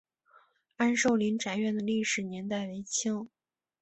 安寿林宅院的历史年代为清。